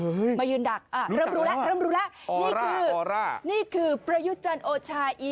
เริ่มรู้แล้วเริ่มรู้แล้วนี่คือประยุจรรย์โอชาย